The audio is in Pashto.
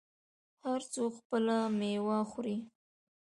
هر څوک خپله میوه خوري.